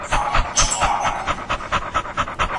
د لوڼو سره يو احسان دادی، چي هغه بيدينه کس ته ورنکړل سي.